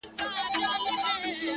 پوهه له کنجکاو ذهن سره مینه لري,